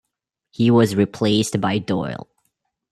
He was replaced by Doyle.